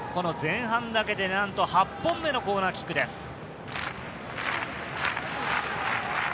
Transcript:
前半だけで、なんと８本目のコーナーキックです。